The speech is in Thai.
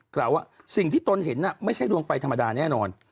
กล่าวว่าสิ่งที่ตนเห็นไม่ใช่ดวงไฟธรรมดาแน่นอน